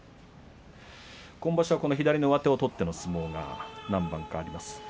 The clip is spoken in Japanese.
今場所は、この左の上手を取っての相撲が何番かあります。